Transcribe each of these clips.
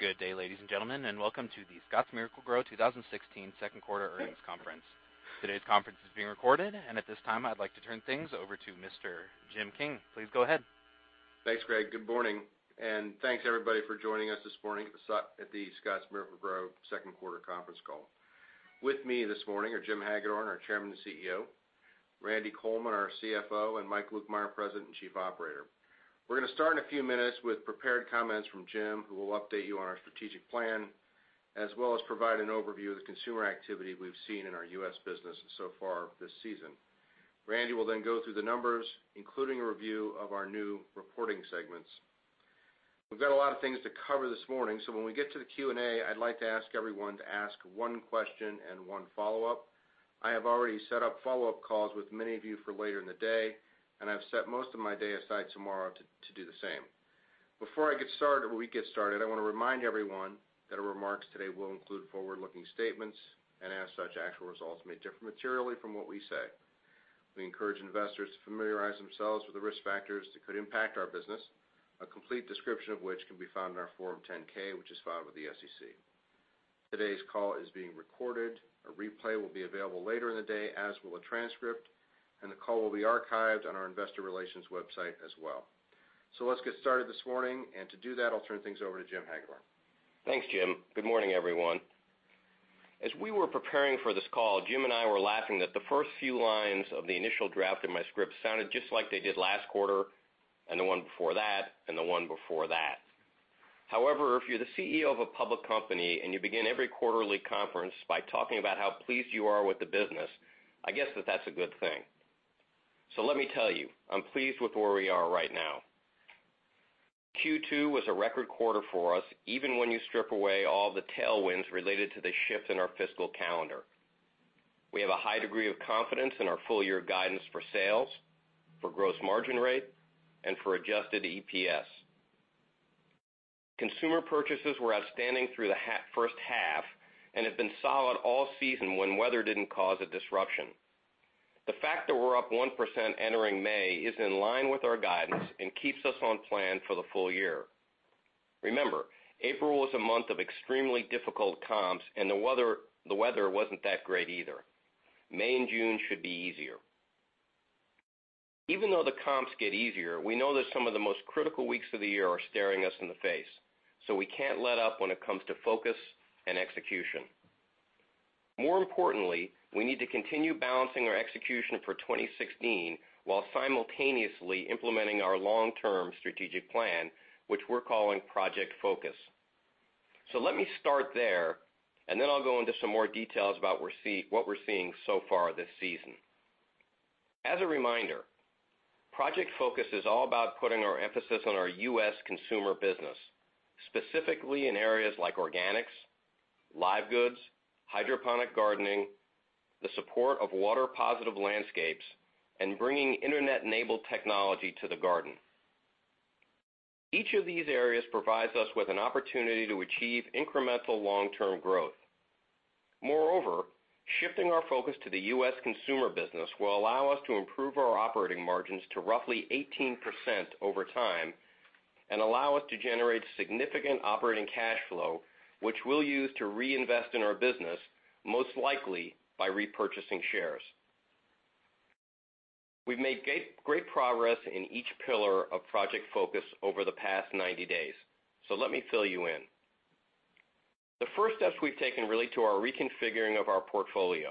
Good day, ladies and gentlemen, and welcome to the Scotts Miracle-Gro 2016 second quarter earnings conference. Today's conference is being recorded, and at this time, I'd like to turn things over to Mr. Jim King. Please go ahead. Thanks, Greg. Good morning, and thanks, everybody, for joining us this morning at the Scotts Miracle-Gro second quarter conference call. With me this morning are Jim Hagedorn, our Chairman and CEO; Randy Coleman, our CFO; and Mike Lukemire, President and Chief Operating Officer. We're going to start in a few minutes with prepared comments from Jim, who will update you on our strategic plan, as well as provide an overview of the consumer activity we've seen in our U.S. business so far this season. Randy will go through the numbers, including a review of our new reporting segments. We've got a lot of things to cover this morning, so when we get to the Q&A, I'd like to ask everyone to ask one question and one follow-up. I have already set up follow-up calls with many of you for later in the day, and I've set most of my day aside tomorrow to do the same. Before we get started, I want to remind everyone that our remarks today will include forward-looking statements, and as such, actual results may differ materially from what we say. We encourage investors to familiarize themselves with the risk factors that could impact our business, a complete description of which can be found in our Form 10-K, which is filed with the SEC. Today's call is being recorded. A replay will be available later in the day, as will a transcript, and the call will be archived on our investor relations website as well. Let's get started this morning, and to do that, I'll turn things over to Jim Hagedorn. Thanks, Jim. Good morning, everyone. As we were preparing for this call, Jim and I were laughing that the first few lines of the initial draft of my script sounded just like they did last quarter, and the one before that, and the one before that. However, if you're the CEO of a public company and you begin every quarterly conference by talking about how pleased you are with the business, I guess that that's a good thing. Let me tell you, I'm pleased with where we are right now. Q2 was a record quarter for us, even when you strip away all the tailwinds related to the shift in our fiscal calendar. We have a high degree of confidence in our full-year guidance for sales, for gross margin rate, and for adjusted EPS. Consumer purchases were outstanding through the first half and have been solid all season when weather did not cause a disruption. The fact that we are up 1% entering May is in line with our guidance and keeps us on plan for the full year. Remember, April was a month of extremely difficult comps, and the weather was not that great either. May and June should be easier. Even though the comps get easier, we know that some of the most critical weeks of the year are staring us in the face, so we cannot let up when it comes to focus and execution. More importantly, we need to continue balancing our execution for 2016 while simultaneously implementing our long-term strategic plan, which we are calling Project Focus. Let me start there, and then I will go into some more details about what we are seeing so far this season. As a reminder, Project Focus is all about putting our emphasis on our U.S. consumer business, specifically in areas like organics, live goods, hydroponic gardening, the support of water-positive landscapes, and bringing internet-enabled technology to the garden. Each of these areas provides us with an opportunity to achieve incremental long-term growth. Moreover, shifting our focus to the U.S. consumer business will allow us to improve our operating margins to roughly 18% over time and allow us to generate significant operating cash flow, which we will use to reinvest in our business, most likely by repurchasing shares. We have made great progress in each pillar of Project Focus over the past 90 days. Let me fill you in. The first steps we have taken relate to our reconfiguring of our portfolio.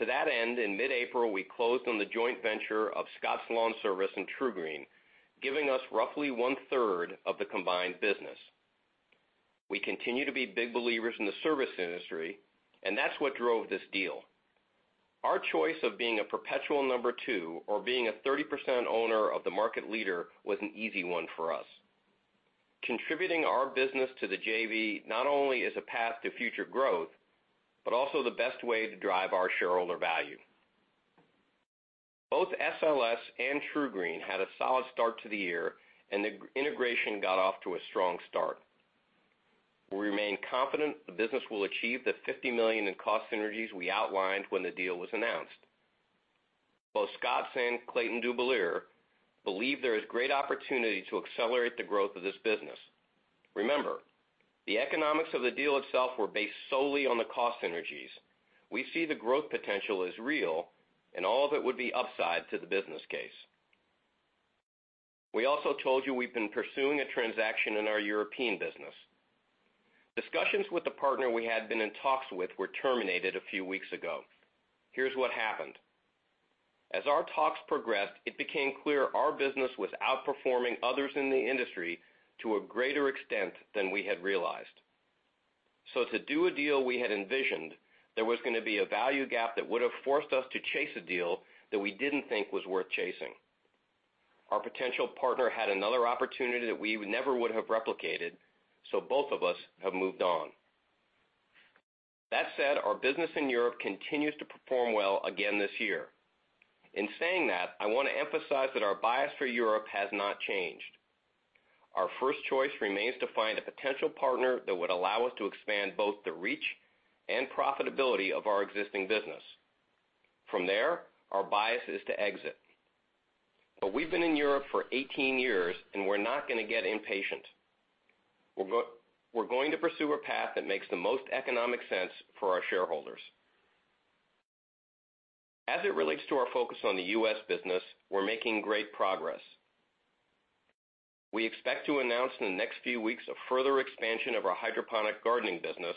To that end, in mid-April, we closed on the joint venture of Scotts LawnService and TruGreen, giving us roughly one-third of the combined business. We continue to be big believers in the service industry, and that is what drove this deal. Our choice of being a perpetual number two or being a 30% owner of the market leader was an easy one for us. Contributing our business to the JV not only is a path to future growth, but also the best way to drive our shareholder value. Both SLS and TruGreen had a solid start to the year, and the integration got off to a strong start. We remain confident the business will achieve the $50 million in cost synergies we outlined when the deal was announced. Both Scotts and Clayton Dubilier believe there is great opportunity to accelerate the growth of this business. Remember, the economics of the deal itself were based solely on the cost synergies. We see the growth potential as real, and all of it would be upside to the business case. We also told you we have been pursuing a transaction in our European business. Discussions with the partner we had been in talks with were terminated a few weeks ago. Here is what happened. As our talks progressed, it became clear our business was outperforming others in the industry to a greater extent than we had realized. To do a deal we had envisioned, there was going to be a value gap that would have forced us to chase a deal that we did not think was worth chasing. Our potential partner had another opportunity that we never would have replicated. Both of us have moved on. That said, our business in Europe continues to perform well again this year. In saying that, I want to emphasize that our bias for Europe has not changed. Our first choice remains to find a potential partner that would allow us to expand both the reach and profitability of our existing business. From there, our bias is to exit. We've been in Europe for 18 years, and we're not going to get impatient. We're going to pursue a path that makes the most economic sense for our shareholders. As it relates to our focus on the U.S. business, we're making great progress. We expect to announce in the next few weeks a further expansion of our hydroponic gardening business,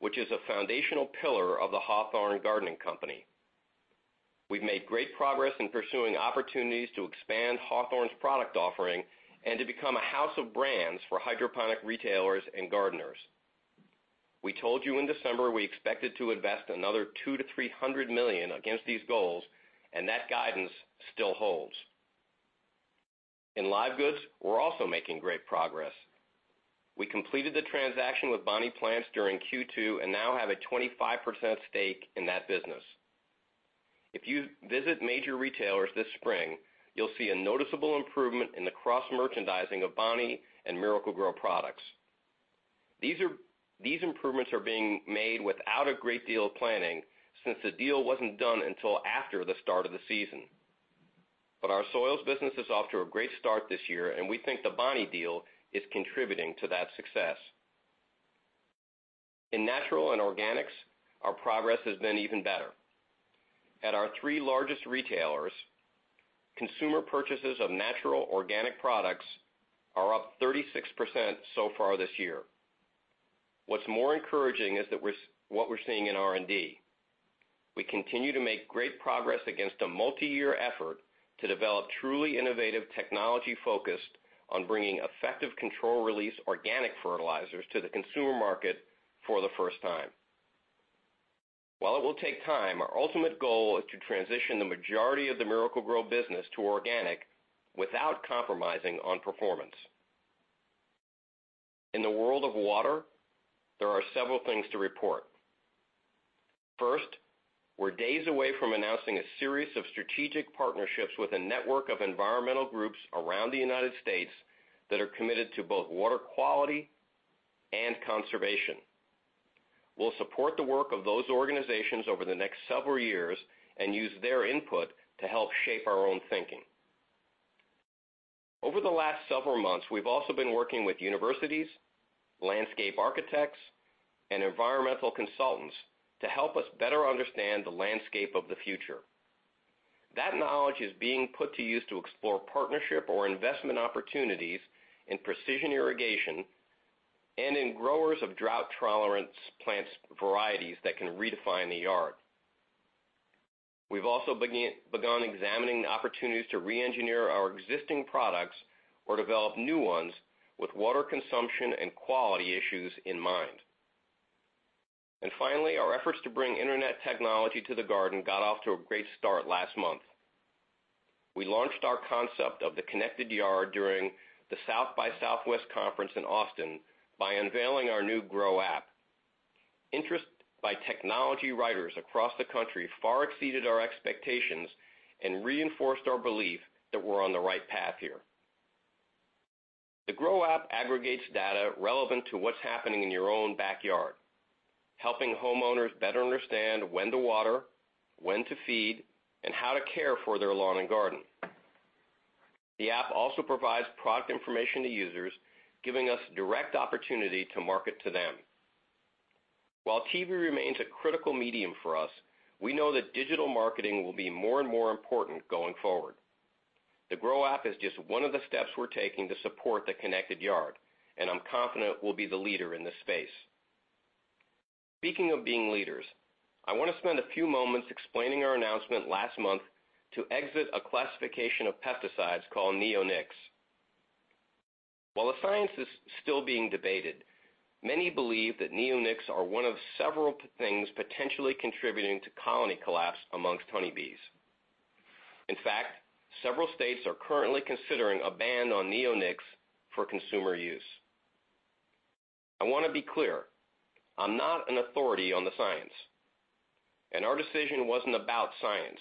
which is a foundational pillar of the Hawthorne Gardening Company. We've made great progress in pursuing opportunities to expand Hawthorne's product offering and to become a house of brands for hydroponic retailers and gardeners. We told you in December we expected to invest another $200 million to $300 million against these goals. That guidance still holds. In live goods, we're also making great progress. We completed the transaction with Bonnie Plants during Q2 and now have a 25% stake in that business. If you visit major retailers this spring, you'll see a noticeable improvement in the cross-merchandising of Bonnie and Miracle-Gro products. These improvements are being made without a great deal of planning since the deal wasn't done until after the start of the season. Our soils business is off to a great start this year, and we think the Bonnie deal is contributing to that success. In natural and organics, our progress has been even better. At our three largest retailers, consumer purchases of natural organic products are up 36% so far this year. What's more encouraging is what we're seeing in R&D. We continue to make great progress against a multi-year effort to develop truly innovative technology focused on bringing effective control-release organic fertilizers to the consumer market for the first time. While it will take time, our ultimate goal is to transition the majority of the Miracle-Gro business to organic without compromising on performance. In the world of water, there are several things to report. First, we're days away from announcing a series of strategic partnerships with a network of environmental groups around the U.S. that are committed to both water quality and conservation. We'll support the work of those organizations over the next several years and use their input to help shape our own thinking. Over the last several months, we've also been working with universities, landscape architects, and environmental consultants to help us better understand the landscape of the future. That knowledge is being put to use to explore partnership or investment opportunities in precision irrigation and in growers of drought-tolerant plant varieties that can redefine the yard. We've also begun examining opportunities to re-engineer our existing products or develop new ones with water consumption and quality issues in mind. Finally, our efforts to bring internet technology to the garden got off to a great start last month. We launched our concept of the Connected Yard during the South by Southwest Conference in Austin by unveiling our new Grow app. Interest by technology writers across the country far exceeded our expectations and reinforced our belief that we're on the right path here. The Grow app aggregates data relevant to what's happening in your own backyard, helping homeowners better understand when to water, when to feed, and how to care for their lawn and garden. The app also provides product information to users, giving us direct opportunity to market to them. While TV remains a critical medium for us, we know that digital marketing will be more and more important going forward. The Grow app is just one of the steps we're taking to support the Connected Yard, and I'm confident we'll be the leader in this space. Speaking of being leaders, I want to spend a few moments explaining our announcement last month to exit a classification of pesticides called neonics. While the science is still being debated, many believe that neonics are one of several things potentially contributing to colony collapse amongst honeybees. In fact, several states are currently considering a ban on neonics for consumer use. I want to be clear, I'm not an authority on the science, and our decision wasn't about science.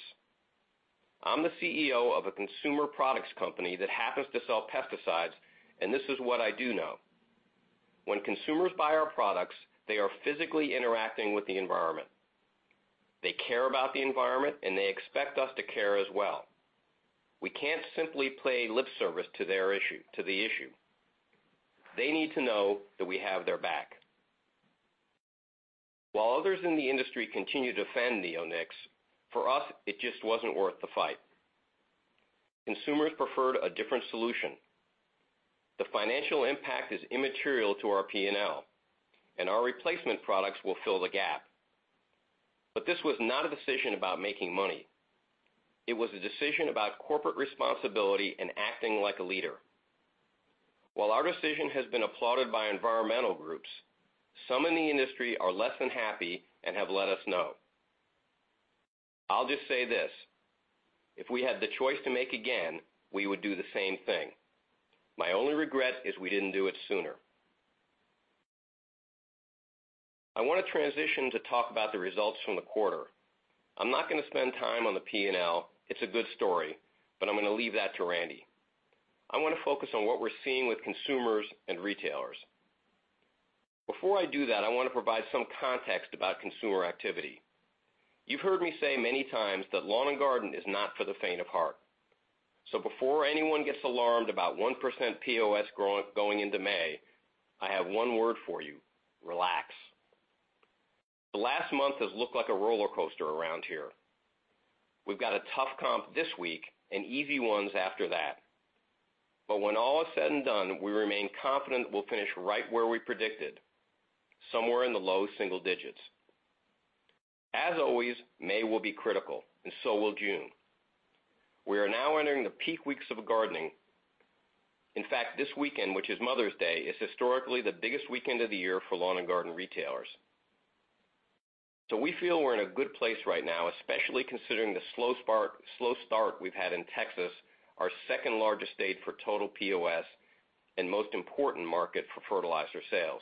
I'm the CEO of a consumer products company that happens to sell pesticides, and this is what I do know. When consumers buy our products, they are physically interacting with the environment. They care about the environment, and they expect us to care as well. We can't simply play lip service to the issue. They need to know that we have their back. While others in the industry continue to defend neonics, for us, it just wasn't worth the fight. Consumers preferred a different solution. The financial impact is immaterial to our P&L, and our replacement products will fill the gap. This was not a decision about making money. It was a decision about corporate responsibility and acting like a leader. While our decision has been applauded by environmental groups, some in the industry are less than happy and have let us know. I'll just say this. If we had the choice to make again, we would do the same thing. My only regret is we didn't do it sooner. I want to transition to talk about the results from the quarter. I'm not going to spend time on the P&L. It's a good story, I'm going to leave that to Randy. I want to focus on what we're seeing with consumers and retailers. Before I do that, I want to provide some context about consumer activity. You've heard me say many times that lawn and garden is not for the faint of heart. Before anyone gets alarmed about 1% POS going into May, I have one word for you, relax. The last month has looked like a roller coaster around here. We've got a tough comp this week and easy ones after that. When all is said and done, we remain confident we'll finish right where we predicted, somewhere in the low single digits. As always, May will be critical, and so will June. We are now entering the peak weeks of gardening. In fact, this weekend, which is Mother's Day, is historically the biggest weekend of the year for lawn and garden retailers. We feel we're in a good place right now, especially considering the slow start we've had in Texas, our second-largest state for total POS and most important market for fertilizer sales.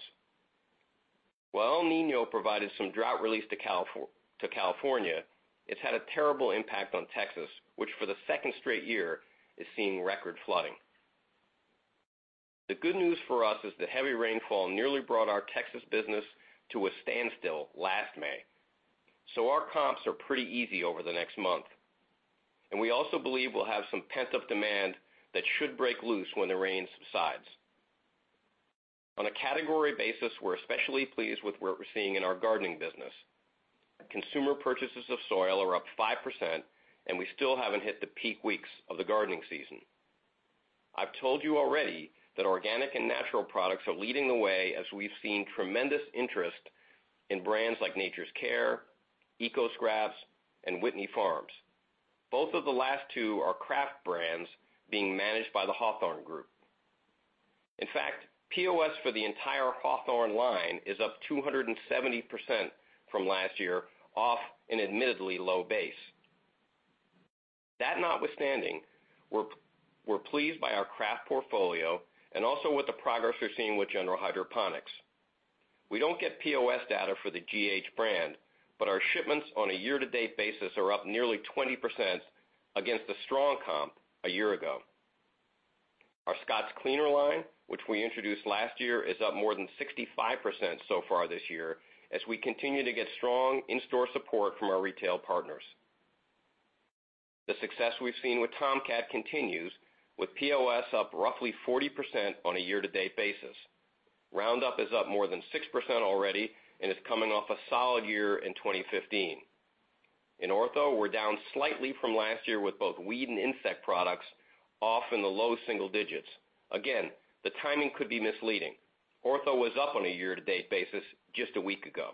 While El Niño provided some drought relief to California, it's had a terrible impact on Texas, which for the second straight year is seeing record flooding. The good news for us is the heavy rainfall nearly brought our Texas business to a standstill last May. Our comps are pretty easy over the next month, and we also believe we'll have some pent-up demand that should break loose when the rain subsides. On a category basis, we're especially pleased with what we're seeing in our gardening business. Consumer purchases of soil are up 5%, and we still haven't hit the peak weeks of the gardening season. I've told you already that organic and natural products are leading the way as we've seen tremendous interest in brands like Nature's Care, EcoScraps, and Whitney Farms. Both of the last two are craft brands being managed by the Hawthorne Group. In fact, POS for the entire Hawthorne line is up 270% from last year off an admittedly low base. That notwithstanding, we're pleased by our craft portfolio and also with the progress we're seeing with General Hydroponics. We don't get POS data for the GH brand, but our shipments on a year-to-date basis are up nearly 20% against a strong comp a year ago. Our Scotts Outdoor Cleaner line, which we introduced last year, is up more than 65% so far this year as we continue to get strong in-store support from our retail partners. The success we've seen with Tomcat continues, with POS up roughly 40% on a year-to-date basis. Roundup is up more than 6% already and is coming off a solid year in 2015. In Ortho, we're down slightly from last year with both weed and insect products, off in the low single digits. Again, the timing could be misleading. Ortho was up on a year-to-date basis just a week ago.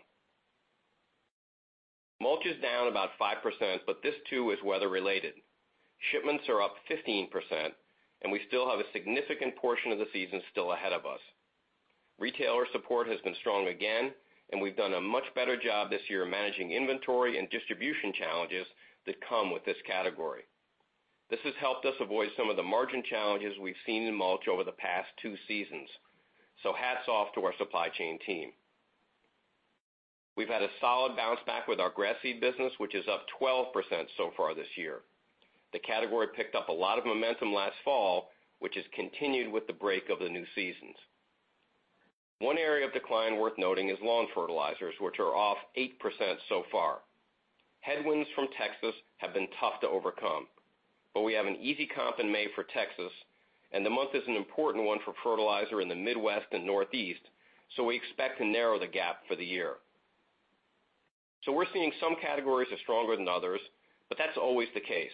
Mulch is down about 5%, but this too is weather-related. Shipments are up 15%, and we still have a significant portion of the season still ahead of us. Retailer support has been strong again, and we've done a much better job this year managing inventory and distribution challenges that come with this category. This has helped us avoid some of the margin challenges we've seen in mulch over the past two seasons. Hats off to our supply chain team. We've had a solid bounce back with our grass seed business, which is up 12% so far this year. The category picked up a lot of momentum last fall, which has continued with the break of the new seasons. One area of decline worth noting is lawn fertilizers, which are off 8% so far. Headwinds from Texas have been tough to overcome. We have an easy comp in May for Texas, and the month is an important one for fertilizer in the Midwest and Northeast. We expect to narrow the gap for the year. We're seeing some categories are stronger than others, but that's always the case.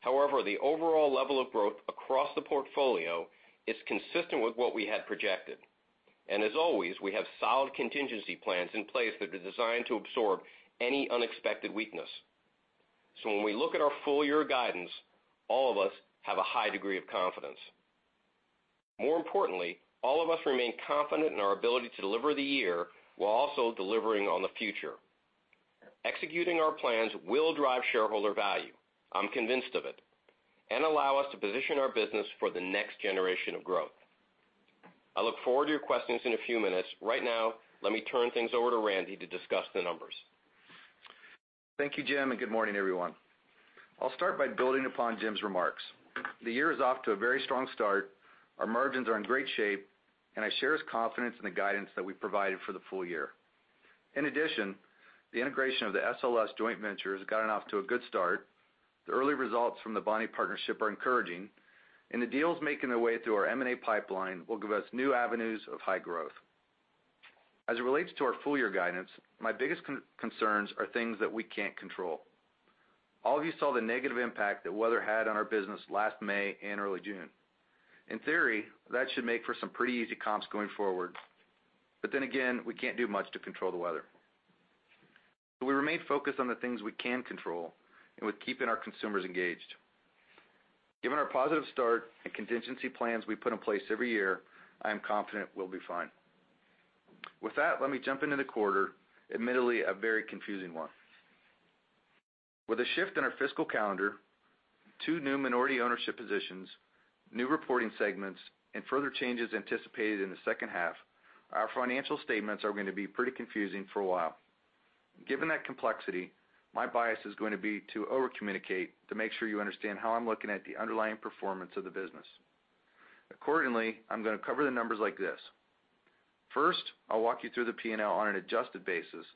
However, the overall level of growth across the portfolio is consistent with what we had projected. As always, we have solid contingency plans in place that are designed to absorb any unexpected weakness. When we look at our full-year guidance, all of us have a high degree of confidence. More importantly, all of us remain confident in our ability to deliver the year while also delivering on the future. Executing our plans will drive shareholder value, I'm convinced of it, and allow us to position our business for the next generation of growth. I look forward to your questions in a few minutes. Let me turn things over to Randy to discuss the numbers. Thank you, Jim, and good morning, everyone. I'll start by building upon Jim's remarks. The year is off to a very strong start. Our margins are in great shape, and I share his confidence in the guidance that we provided for the full-year. In addition, the integration of the SLS joint venture has gotten off to a good start. The early results from the Bonnie partnership are encouraging, and the deals making their way through our M&A pipeline will give us new avenues of high growth. As it relates to our full-year guidance, my biggest concerns are things that we can't control. All of you saw the negative impact that weather had on our business last May and early June. In theory, that should make for some pretty easy comps going forward. Again, we can't do much to control the weather. We remain focused on the things we can control and with keeping our consumers engaged. Given our positive start and contingency plans we put in place every year, I am confident we'll be fine. With that, let me jump into the quarter, admittedly a very confusing one. With a shift in our fiscal calendar, two new minority ownership positions, new reporting segments, and further changes anticipated in the second half, our financial statements are going to be pretty confusing for a while. Given that complexity, my bias is going to be to over-communicate to make sure you understand how I'm looking at the underlying performance of the business. Accordingly, I'm going to cover the numbers like this. First, I'll walk you through the P&L on an adjusted basis,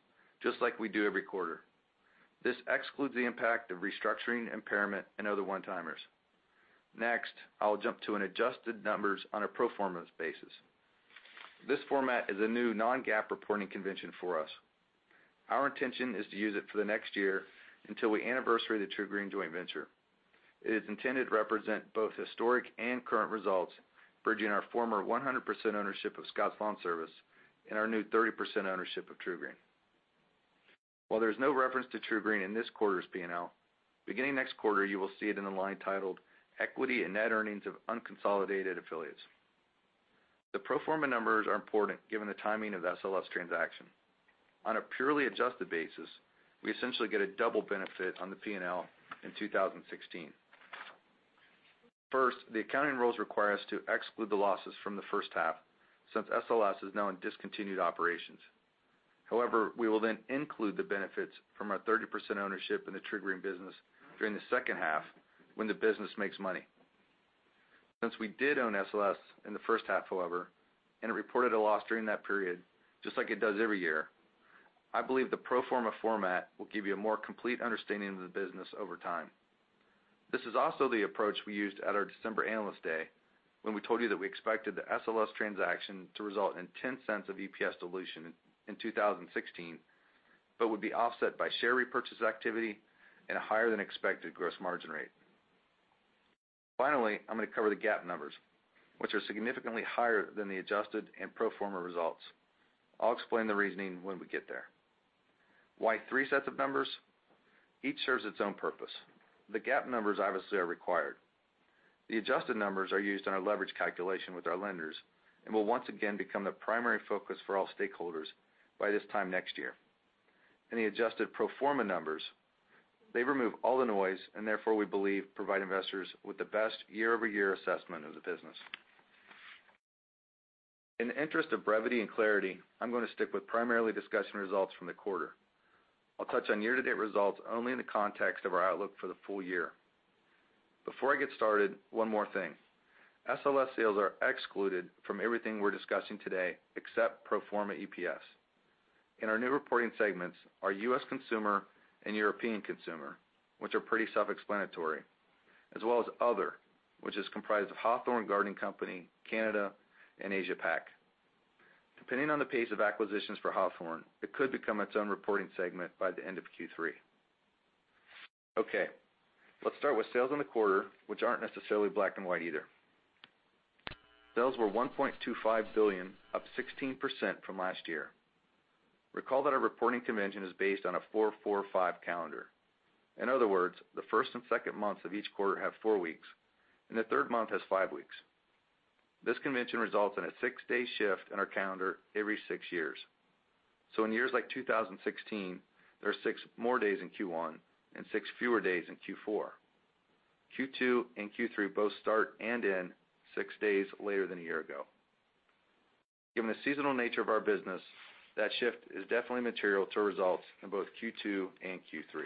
just like we do every quarter. This excludes the impact of restructuring, impairment, and other one-timers. Next, I will jump to an adjusted numbers on a pro forma basis. This format is a new non-GAAP reporting convention for us. Our intention is to use it for the next year until we anniversary the TruGreen joint venture. It is intended to represent both historic and current results, bridging our former 100% ownership of Scotts LawnService and our new 30% ownership of TruGreen. While there's no reference to TruGreen in this quarter's P&L, beginning next quarter, you will see it in the line titled Equity and Net Earnings of Unconsolidated Affiliates. The pro forma numbers are important given the timing of the SLS transaction. On a purely adjusted basis, we essentially get a double benefit on the P&L in 2016. First, the accounting rules require us to exclude the losses from the first half, since SLS is now in discontinued operations. However, we will then include the benefits from our 30% ownership in the TruGreen business during the second half when the business makes money. Since we did own SLS in the first half, however, and it reported a loss during that period, just like it does every year, I believe the pro forma format will give you a more complete understanding of the business over time. This is also the approach we used at our December Analyst Day, when we told you that we expected the SLS transaction to result in $0.10 of EPS dilution in 2016, but would be offset by share repurchase activity and a higher than expected gross margin rate. Finally, I'm going to cover the GAAP numbers, which are significantly higher than the adjusted and pro forma results. I'll explain the reasoning when we get there. Why three sets of numbers? Each serves its own purpose. The GAAP numbers, obviously, are required. The adjusted numbers are used in our leverage calculation with our lenders and will once again become the primary focus for all stakeholders by this time next year. The adjusted pro forma numbers, they remove all the noise and therefore, we believe, provide investors with the best year-over-year assessment of the business. In the interest of brevity and clarity, I'm going to stick with primarily discussing results from the quarter. I'll touch on year-to-date results only in the context of our outlook for the full year. Before I get started, one more thing. SLS sales are excluded from everything we're discussing today, except pro forma EPS. In our new reporting segments, our US consumer and European consumer, which are pretty self-explanatory, as well as other, which is comprised of Hawthorne Gardening Company, Canada, and Asia Pac. Depending on the pace of acquisitions for Hawthorne, it could become its own reporting segment by the end of Q3. Okay. Let's start with sales in the quarter, which aren't necessarily black and white either. Sales were $1.25 billion, up 16% from last year. Recall that our reporting convention is based on a 4-4-5 calendar. In other words, the first and second months of each quarter have four weeks, and the third month has five weeks. This convention results in a six-day shift in our calendar every six years. In years like 2016, there are six more days in Q1 and six fewer days in Q4. Q2 and Q3 both start and end six days later than a year ago. Given the seasonal nature of our business, that shift is definitely material to results in both Q2 and Q3.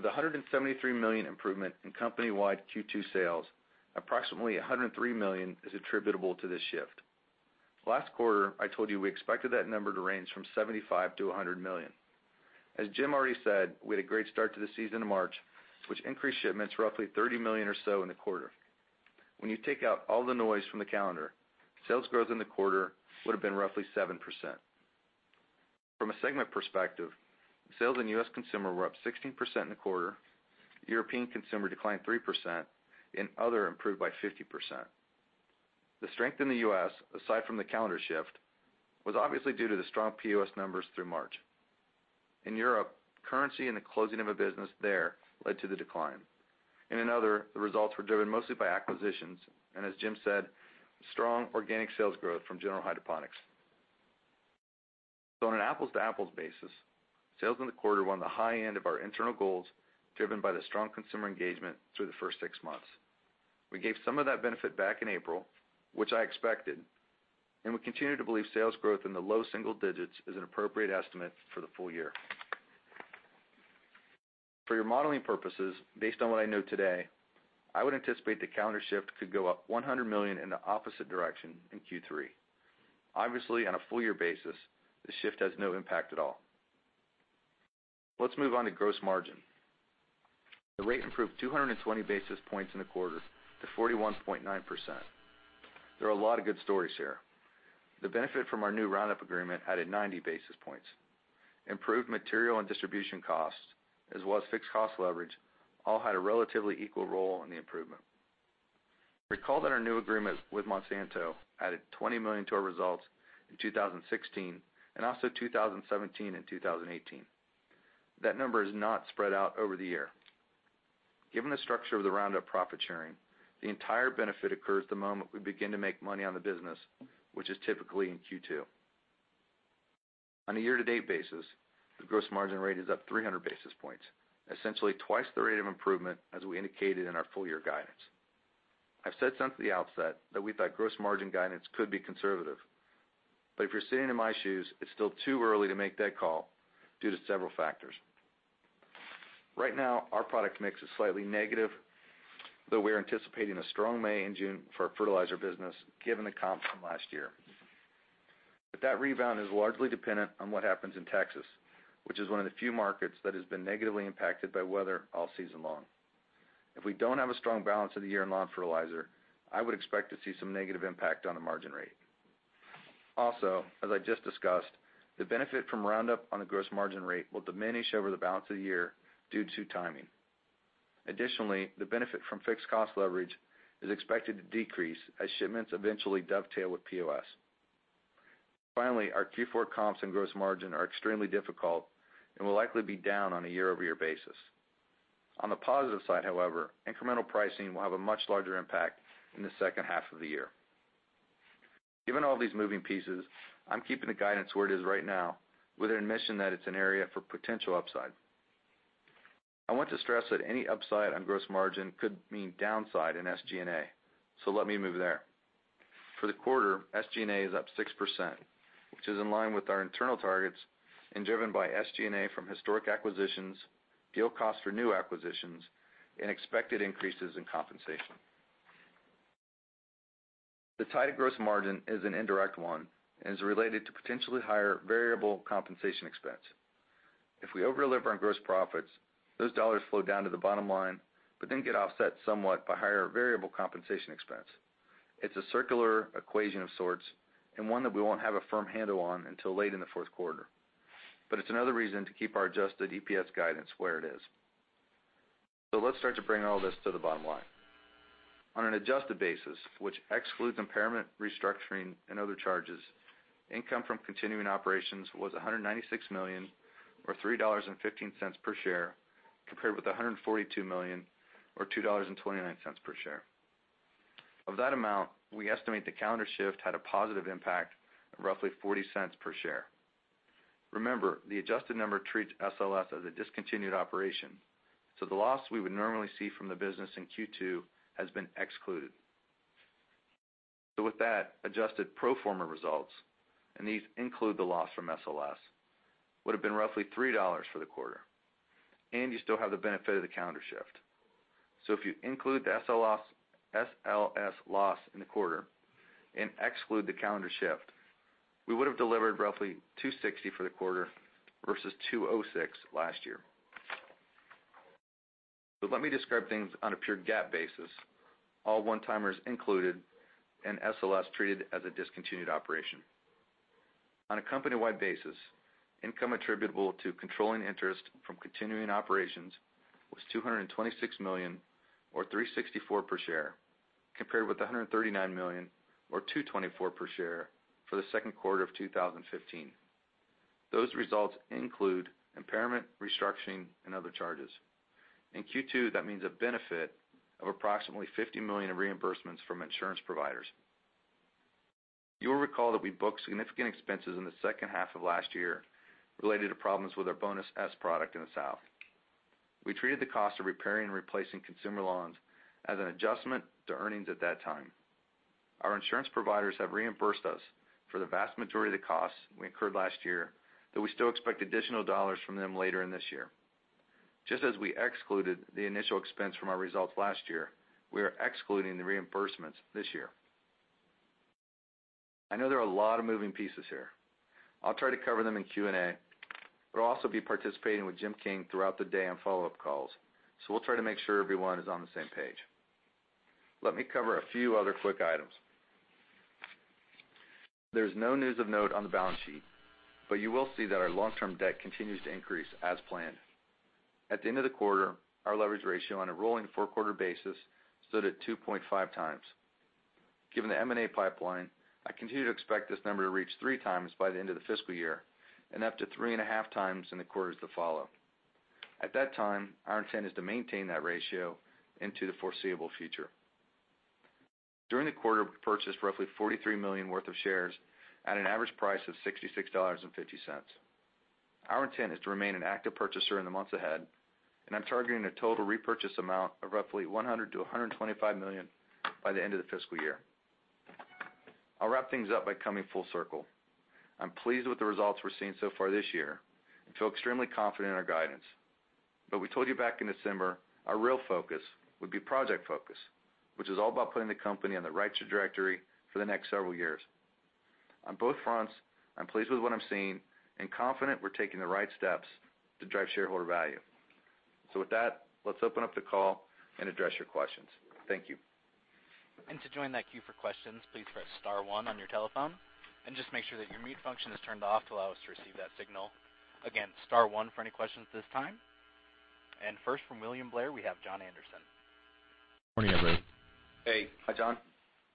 Of the $173 million improvement in company-wide Q2 sales, approximately $103 million is attributable to this shift. Last quarter, I told you we expected that number to range from $75 million-$100 million. As Jim already said, we had a great start to the season in March, which increased shipments roughly $30 million or so in the quarter. When you take out all the noise from the calendar, sales growth in the quarter would have been roughly 7%. From a segment perspective, sales in US consumer were up 16% in the quarter, European consumer declined 3%, and other improved by 50%. The strength in the U.S., aside from the calendar shift, was obviously due to the strong POS numbers through March. In Europe, currency and the closing of a business there led to the decline. In other, the results were driven mostly by acquisitions, and as Jim said, strong organic sales growth from General Hydroponics. On an apples-to-apples basis, sales in the quarter were on the high end of our internal goals, driven by the strong consumer engagement through the first six months. We gave some of that benefit back in April, which I expected, and we continue to believe sales growth in the low single digits is an appropriate estimate for the full year. For your modeling purposes, based on what I know today, I would anticipate the calendar shift could go up $100 million in the opposite direction in Q3. Obviously, on a full year basis, the shift has no impact at all. Let's move on to gross margin. The rate improved 220 basis points in the quarter to 41.9%. There are a lot of good stories here. The benefit from our new Roundup agreement added 90 basis points. Improved material and distribution costs, as well as fixed cost leverage, all had a relatively equal role in the improvement. Recall that our new agreement with Monsanto added $20 million to our results in 2016, and also 2017 and 2018. That number is not spread out over the year. Given the structure of the Roundup profit sharing, the entire benefit occurs the moment we begin to make money on the business, which is typically in Q2. On a year-to-date basis, the gross margin rate is up 300 basis points, essentially twice the rate of improvement as we indicated in our full-year guidance. I've said since the outset that we thought gross margin guidance could be conservative. If you're sitting in my shoes, it's still too early to make that call due to several factors. Right now, our product mix is slightly negative, though we are anticipating a strong May and June for our fertilizer business given the comps from last year. That rebound is largely dependent on what happens in Texas, which is one of the few markets that has been negatively impacted by weather all season long. If we don't have a strong balance of the year in lawn fertilizer, I would expect to see some negative impact on the margin rate. Also, as I just discussed, the benefit from Roundup on the gross margin rate will diminish over the balance of the year due to timing. Additionally, the benefit from fixed cost leverage is expected to decrease as shipments eventually dovetail with POS. Finally, our Q4 comps and gross margin are extremely difficult and will likely be down on a year-over-year basis. On the positive side, however, incremental pricing will have a much larger impact in the second half of the year. Given all these moving pieces, I'm keeping the guidance where it is right now with an admission that it's an area for potential upside. I want to stress that any upside on gross margin could mean downside in SG&A. Let me move there. For the quarter, SG&A is up 6%, which is in line with our internal targets and driven by SG&A from historic acquisitions, deal costs for new acquisitions, and expected increases in compensation. The tie to gross margin is an indirect one and is related to potentially higher variable compensation expense. If we over-deliver on gross profits, those dollars flow down to the bottom line, get offset somewhat by higher variable compensation expense. It's a circular equation of sorts, and one that we won't have a firm handle on until late in the fourth quarter. It's another reason to keep our adjusted EPS guidance where it is. Let's start to bring all this to the bottom line. On an adjusted basis, which excludes impairment, restructuring, and other charges, income from continuing operations was $196 million or $3.15 per share, compared with $142 million or $2.29 per share. Of that amount, we estimate the calendar shift had a positive impact of roughly $0.40 per share. Remember, the adjusted number treats SLS as a discontinued operation. The loss we would normally see from the business in Q2 has been excluded. With that, adjusted pro forma results, and these include the loss from SLS, would have been roughly $3 for the quarter, and you still have the benefit of the calendar shift. If you include the SLS loss in the quarter and exclude the calendar shift, we would have delivered roughly $2.60 for the quarter versus $2.06 last year. Let me describe things on a pure GAAP basis, all one-timers included and SLS treated as a discontinued operation. On a company-wide basis, income attributable to controlling interest from continuing operations was $226 million or $3.64 per share, compared with $139 million or $2.24 per share for the second quarter of 2015. Those results include impairment, restructuring, and other charges. In Q2, that means a benefit of approximately $50 million in reimbursements from insurance providers. You will recall that we booked significant expenses in the second half of last year related to problems with our Bonus S product in the South. We treated the cost of repairing and replacing consumer lawns as an adjustment to earnings at that time. Our insurance providers have reimbursed us for the vast majority of the costs we incurred last year, though we still expect additional dollars from them later in this year. Just as we excluded the initial expense from our results last year, we are excluding the reimbursements this year. I know there are a lot of moving pieces here. I'll try to cover them in Q&A. I'll also be participating with Jim King throughout the day on follow-up calls, so we'll try to make sure everyone is on the same page. Let me cover a few other quick items. There's no news of note on the balance sheet. You will see that our long-term debt continues to increase as planned. At the end of the quarter, our leverage ratio on a rolling four-quarter basis stood at 2.5 times. Given the M&A pipeline, I continue to expect this number to reach 3 times by the end of the fiscal year and up to 3.5 times in the quarters that follow. At that time, our intent is to maintain that ratio into the foreseeable future. During the quarter, we purchased roughly $43 million worth of shares at an average price of $66.50. Our intent is to remain an active purchaser in the months ahead. I'm targeting a total repurchase amount of roughly $100 million to $125 million by the end of the fiscal year. I'll wrap things up by coming full circle. I'm pleased with the results we're seeing so far this year and feel extremely confident in our guidance. We told you back in December, our real focus would be Project Focus, which is all about putting the company on the right trajectory for the next several years. On both fronts, I'm pleased with what I'm seeing and confident we're taking the right steps to drive shareholder value. With that, let's open up the call and address your questions. Thank you. To join that queue for questions, please press star one on your telephone and just make sure that your mute function is turned off to allow us to receive that signal. Again, star one for any questions at this time. First from William Blair, we have Jon Andersen. Morning, everybody. Hey. Hi, Jon.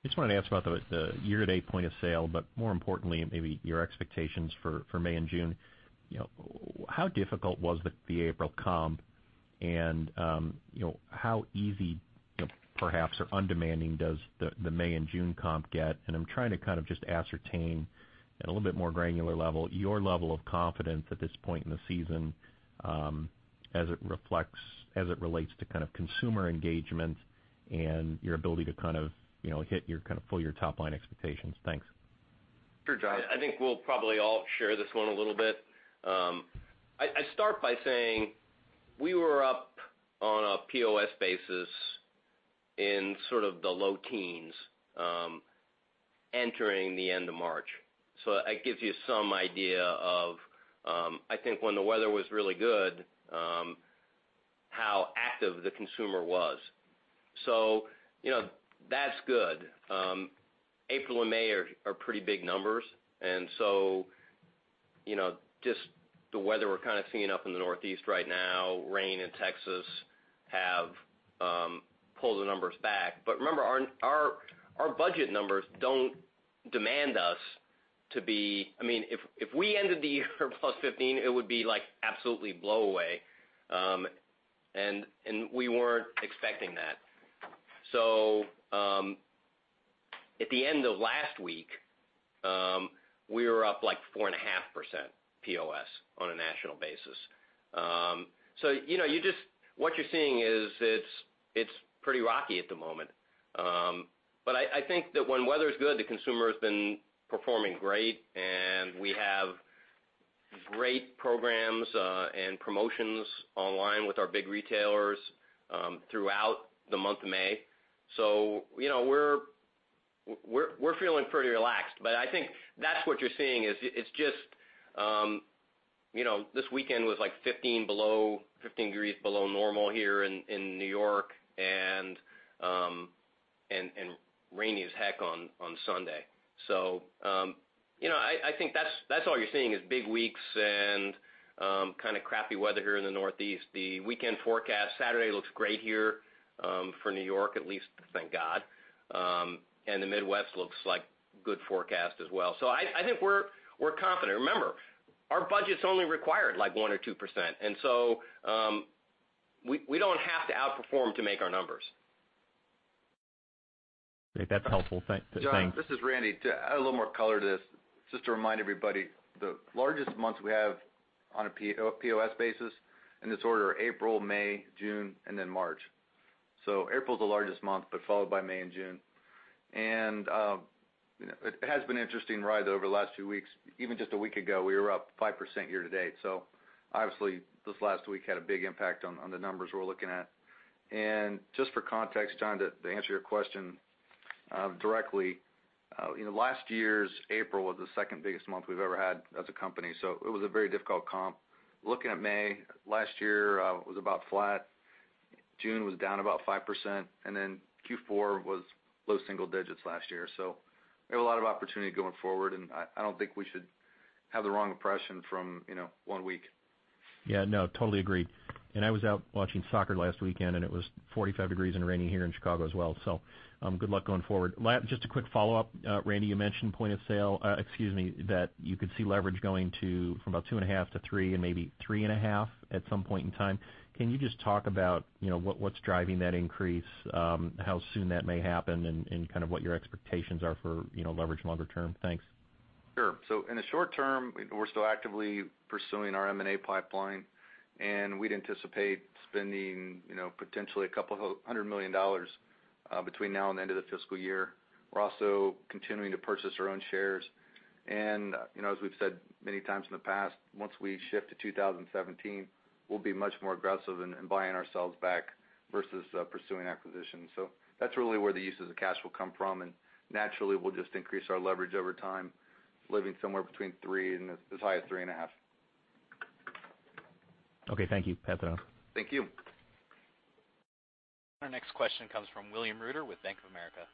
Just wanted to ask about the year-to-date point of sale, more importantly, maybe your expectations for May and June. How difficult was the April comp? How easy, perhaps, or undemanding does the May and June comp get? I'm trying to just ascertain at a little bit more granular level, your level of confidence at this point in the season, as it relates to kind of consumer engagement and your ability to hit your full top-line expectations. Thanks. Sure, Jon. I think we'll probably all share this one a little bit. I start by saying we were up on a POS basis in sort of the low teens entering the end of March. That gives you some idea of, I think when the weather was really good, how active the consumer was. That's good. April and May are pretty big numbers. Just the weather we're kind of seeing up in the Northeast right now, rain in Texas, have pulled the numbers back. Remember, our budget numbers don't demand us to be. If we ended the year +15%, it would be like absolutely blow away. We weren't expecting that. At the end of last week, we were up 4.5% POS on a national basis. What you're seeing is it's pretty rocky at the moment. I think that when weather's good, the consumer's been performing great, and we have great programs and promotions online with our big retailers throughout the month of May. We're feeling pretty relaxed. I think that's what you're seeing is, this weekend was 15 degrees below normal here in New York, and rainy as heck on Sunday. I think that's all you're seeing is big weeks and kind of crappy weather here in the Northeast. The weekend forecast, Saturday looks great here for New York, at least, thank God. The Midwest looks like good forecast as well. I think we're confident. Remember, our budget's only required 1% or 2%, we don't have to outperform to make our numbers. Okay. That's helpful. Thanks. Jon, this is Randy. To add a little more color to this, just to remind everybody, the largest months we have on a POS basis, in this order, are April, May, June, and then March. April's the largest month, but followed by May and June. It has been an interesting ride over the last 2 weeks. Even just a week ago, we were up 5% year to date. Obviously, this last week had a big impact on the numbers we're looking at. Just for context, Jon, to answer your question directly, last year's April was the second biggest month we've ever had as a company. It was a very difficult comp. Looking at May, last year was about flat. June was down about 5%, and then Q4 was low single digits last year. We have a lot of opportunity going forward, and I don't think we should have the wrong impression from one week. Yeah, no, totally agree. I was out watching soccer last weekend, and it was 45 degrees and raining here in Chicago as well. Good luck going forward. Just a quick follow-up. Randy, you mentioned point of sale, excuse me, that you could see leverage going to from about 2.5 to 3 and maybe 3.5 at some point in time. Can you just talk about what's driving that increase, how soon that may happen, and kind of what your expectations are for leverage longer term? Thanks. In the short term, we're still actively pursuing our M&A pipeline, and we'd anticipate spending potentially $200 million between now and the end of the fiscal year. We're also continuing to purchase our own shares. As we've said many times in the past, once we shift to 2017, we'll be much more aggressive in buying ourselves back versus pursuing acquisitions. That's really where the uses of cash will come from, and naturally, we'll just increase our leverage over time, living somewhere between 3 and as high as 3.5. Okay, thank you. That's enough. Thank you. Our next question comes from William Reuter with Bank of America.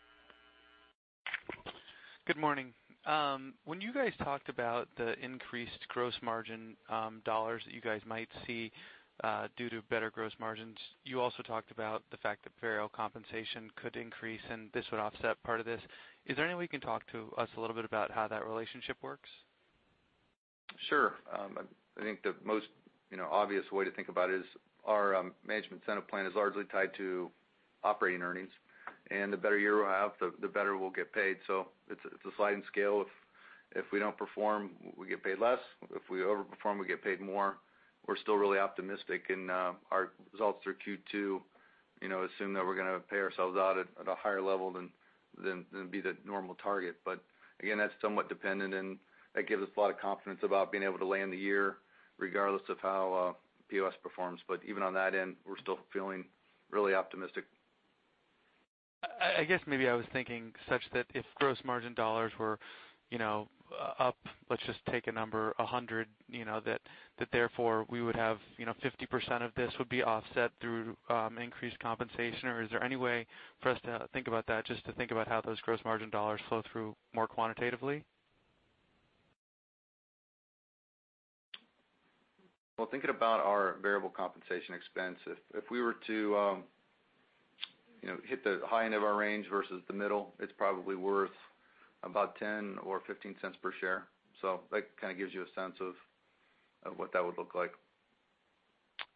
Good morning. When you guys talked about the increased gross margin dollars that you guys might see due to better gross margins, you also talked about the fact that variable compensation could increase and this would offset part of this. Is there any way you can talk to us a little bit about how that relationship works? Sure. I think the most obvious way to think about it is our management incentive plan is largely tied to operating earnings, and the better year we'll have, the better we'll get paid. It's a sliding scale. If we don't perform, we get paid less. If we overperform, we get paid more. We're still really optimistic in our results through Q2, assume that we're going to pay ourselves out at a higher level than be the normal target. Again, that's somewhat dependent, and that gives us a lot of confidence about being able to land the year regardless of how POS performs. Even on that end, we're still feeling really optimistic. I guess maybe I was thinking such that if gross margin dollars were up, let's just take a number, 100, that therefore we would have 50% of this would be offset through increased compensation, or is there any way for us to think about that, just to think about how those gross margin dollars flow through more quantitatively? Well, thinking about our variable compensation expense, if you hit the high end of our range versus the middle, it's probably worth about $0.10 or $0.15 per share. That kind of gives you a sense of what that would look like.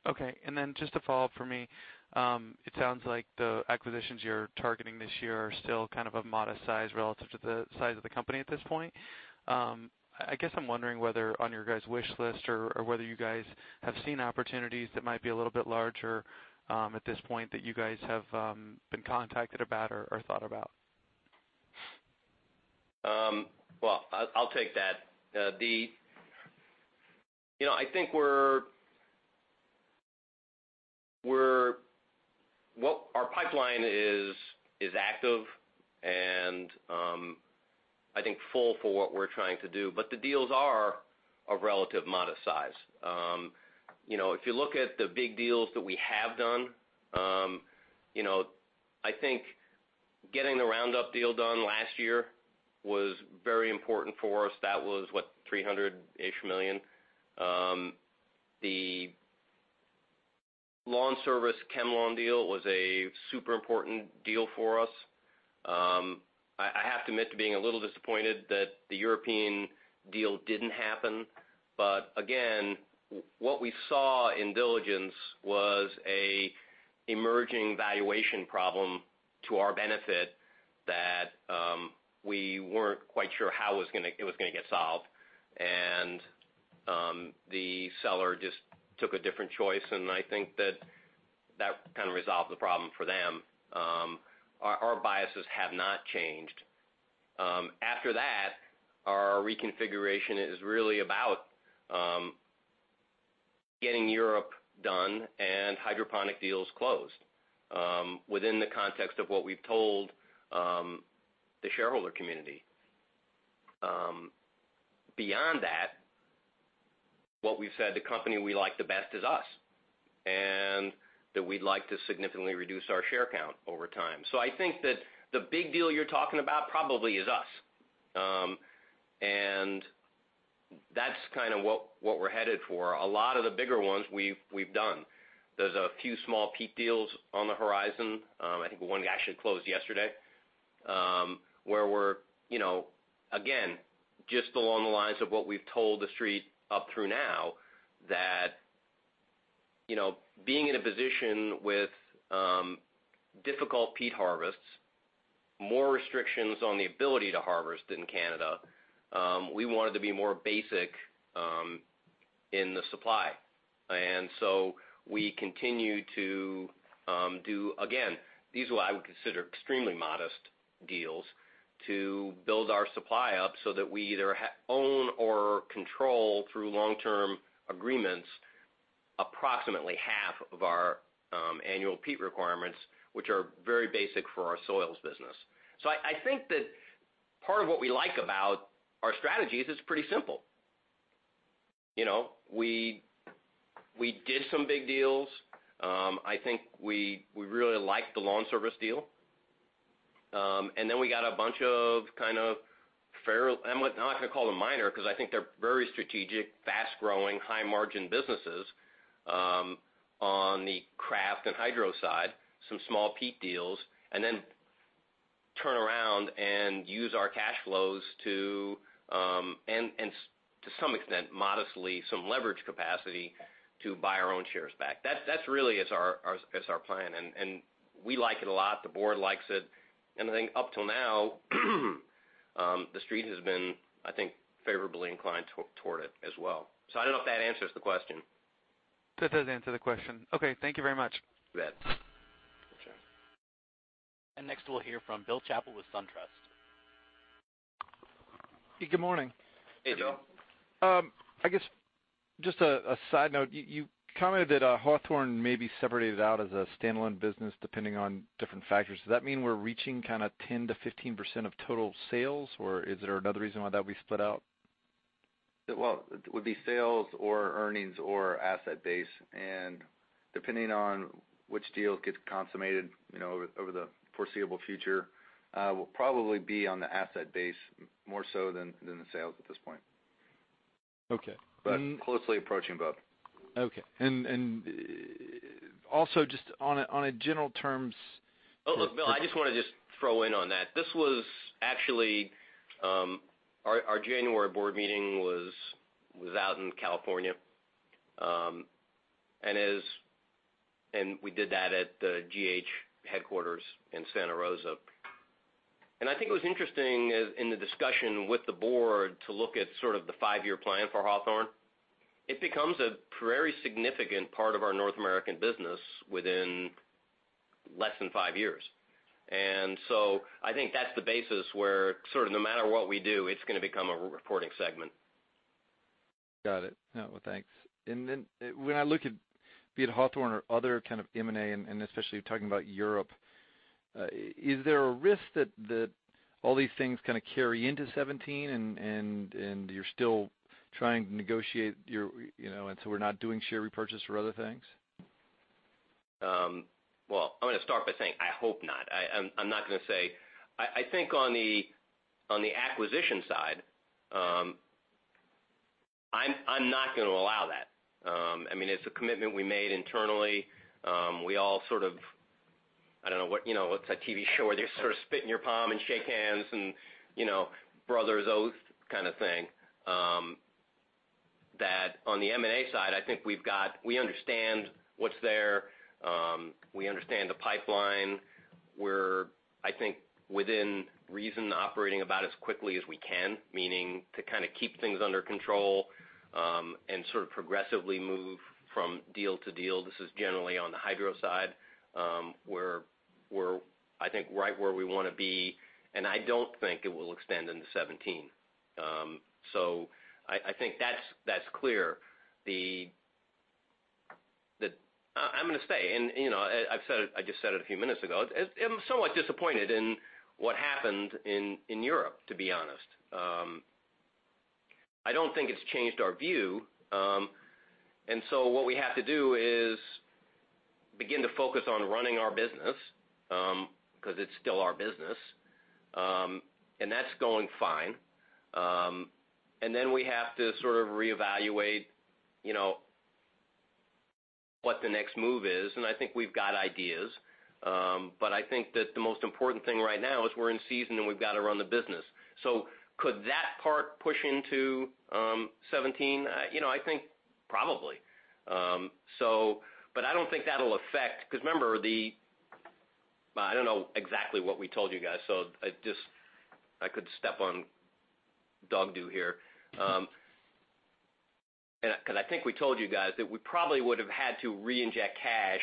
Okay. Just to follow up for me, it sounds like the acquisitions you're targeting this year are still kind of a modest size relative to the size of the company at this point. I guess I'm wondering whether on your guys' wish list or whether you guys have seen opportunities that might be a little bit larger at this point that you guys have been contacted about or thought about. Well, I'll take that. I think our pipeline is active and I think full for what we're trying to do, but the deals are a relative modest size. If you look at the big deals that we have done, I think getting the Roundup deal done last year was very important for us. That was, what, $300 million? The lawn service ChemLawn deal was a super important deal for us. I have to admit to being a little disappointed that the European deal didn't happen. Again, what we saw in diligence was an emerging valuation problem to our benefit that we weren't quite sure how it was going to get solved, and the seller just took a different choice, and I think that that kind of resolved the problem for them. Our biases have not changed. After that, our reconfiguration is really about getting Europe done and hydroponic deals closed within the context of what we've told the shareholder community. Beyond that, what we've said, the company we like the best is us, and that we'd like to significantly reduce our share count over time. I think that the big deal you're talking about probably is us. That's kind of what we're headed for. A lot of the bigger ones we've done. There's a few small peat deals on the horizon. I think one actually closed yesterday, where we're, again, just along the lines of what we've told the Street up through now, that being in a position with difficult peat harvests, more restrictions on the ability to harvest in Canada, we wanted to be more basic in the supply. We continue to do, again, these are what I would consider extremely modest deals to build our supply up so that we either own or control, through long-term agreements, approximately half of our annual peat requirements, which are very basic for our soils business. I think that part of what we like about our strategy is it's pretty simple. We did some big deals. I think we really liked the lawn service deal. We got a bunch of kind of I'm not going to call them minor, because I think they're very strategic, fast-growing, high-margin businesses on the craft and hydro side, some small peat deals, and then turn around and use our cash flows to, and to some extent, modestly some leverage capacity to buy our own shares back. That really is our plan, and we like it a lot. The board likes it. I think up till now, the Street has been, I think, favorably inclined toward it as well. I don't know if that answers the question. That does answer the question. Okay, thank you very much. You bet. Sure. Next we'll hear from Bill Chappell with SunTrust. Good morning. Hey, Bill. I guess, just a side note, you commented that Hawthorne may be separated out as a standalone business depending on different factors. Does that mean we're reaching kind of 10%-15% of total sales, or is there another reason why that would be split out? Well, it would be sales or earnings or asset base, depending on which deal gets consummated over the foreseeable future, will probably be on the asset base more so than the sales at this point. Okay. Closely approaching both. Okay. Bill, I just want to throw in on that. Our January board meeting was out in California, and we did that at the GH headquarters in Santa Rosa. I think it was interesting in the discussion with the board to look at sort of the five-year plan for Hawthorne. It becomes a very significant part of our North American business within less than five years. So I think that's the basis where sort of no matter what we do, it's going to become a reporting segment. Got it. Well, thanks. Then when I look at be it Hawthorne or other kind of M&A and especially talking about Europe, is there a risk that all these things kind of carry into 2017 and you're still trying to negotiate so we're not doing share repurchase or other things? I'm going to start by saying I hope not. I'm not going to say. I think on the acquisition side, I'm not going to allow that. It's a commitment we made internally. We all sort of, I don't know what. It's a TV show where they sort of spit in your palm and shake hands and brothers' oath kind of thing. That on the M&A side, I think we understand what's there. We understand the pipeline. We're, I think, within reason, operating about as quickly as we can, meaning to kind of keep things under control, and sort of progressively move from deal to deal. This is generally on the hydro side, we're I think right where we want to be, and I don't think it will extend into 2017. I think that's clear. I'm going to say, and I just said it a few minutes ago. I'm somewhat disappointed in what happened in Europe, to be honest. I don't think it's changed our view. What we have to do is begin to focus on running our business, because it's still our business. That's going fine. Then we have to sort of reevaluate what the next move is, and I think we've got ideas. I think that the most important thing right now is we're in season and we've got to run the business. Could that part push into 2017? I think probably. I don't think that'll affect, because remember I don't know exactly what we told you guys, so I could step on dog doo here. I think we told you guys that we probably would've had to reinject cash